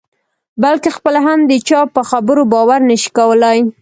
بلکې خپله هم د چا په خبرو باور نه شي کولای.